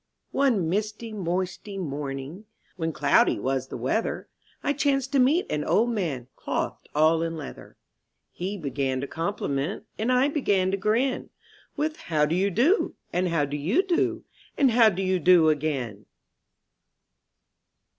/^NE misty moisty morning, ^^ When cloudy was the weather, I chanced to meet an old man Clothed all in leather. He began to compliment And I began to grin, With How do you do, and "How do you do,' And How do you do again?